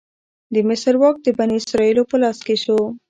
د مصر واک د بنی اسرائیلو په لاس کې شو.